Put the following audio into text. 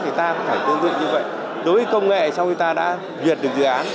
thì ta cũng phải tương tự như vậy đối với công nghệ sau khi ta đã duyệt được dự án